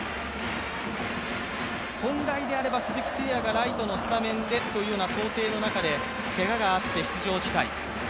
本来であれば鈴木誠也がライトのスタメンでという想定の中でけががあって出場辞退。